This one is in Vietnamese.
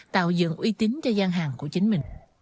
tạo dựng uy tín cho gian hàng của chính mình